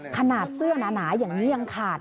ขนาดเสื้อหนาอย่างนี้ยังขาด